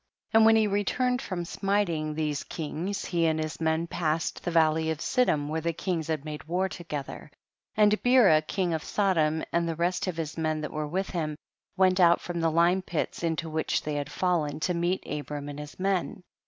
9. And when he returned from smiting these kings, he and his men passed the valley of Siddim where the kings had made war together. 10. And Beraking of Sodom, and the rest of his men that were with him, went out from the lime pits in to which they had fallen, to meet Abram and his men.